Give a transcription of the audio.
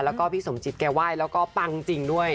แล้วก็พี่สมจิตแกไหว้แล้วก็ปังจริงด้วย